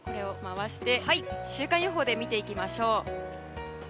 週間予報で見ていきます。